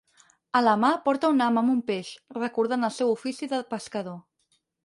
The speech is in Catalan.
A la mà, porta un ham amb un peix, recordant el seu ofici de pescador.